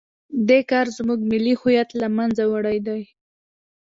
دې کار زموږ ملي هویت له منځه وړی دی.